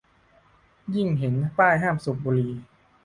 ยิ่งเห็นป้ายห้ามสูบบุหรี่